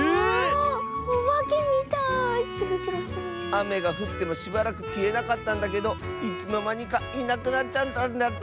あめがふってもしばらくきえなかったんだけどいつのまにかいなくなっちゃったんだって！